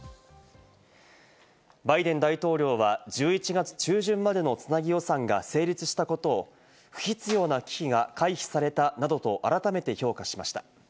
バイデン大統領は１１月中旬までのつなぎ予算が成立したことを、不必要な危機が回避されたなどと改めて評価しました。